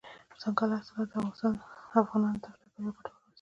دځنګل حاصلات د افغانانو د تفریح لپاره یوه ګټوره وسیله ده.